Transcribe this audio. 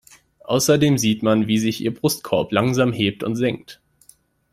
Außerdem sieht man, wie sich ihr Brustkorb langsam hebt und senkt.